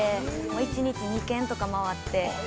１日２軒とか回って。